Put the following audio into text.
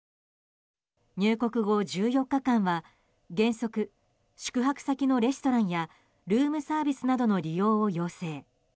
入国後１４日間は原則、宿泊先のレストランやルームサービスなどの利用を要請。